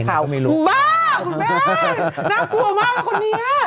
คุณแม่น่ากลัวมากแล้วคนนี้